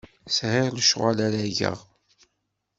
Sɛiɣ lecɣal ara geɣ.